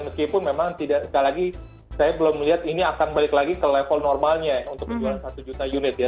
meskipun memang tidak sekali lagi saya belum melihat ini akan balik lagi ke level normalnya untuk menjualan satu juta unit ya